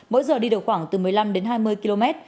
mỗi giờ đi được khoảng từ một mươi năm đến hai mươi km